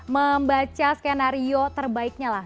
membaca skenario terbaiknya lah